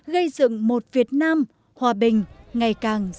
gây dựng một việt nam hòa bình ngày càng giàu đẹp